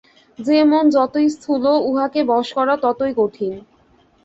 যে-মন যত স্থূল, উহাকে বশ করা ততই কঠিন।